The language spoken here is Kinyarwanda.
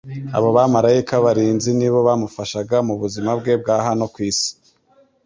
Abo bamaraika barinzi nibo bamufashaga mu buzima bwe bwa hano ku isi,